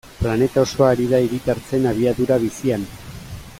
Planeta osoa ari da hiritartzen abiadura bizian.